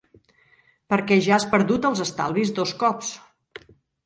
Perquè ja has perdut els estalvis dos cops.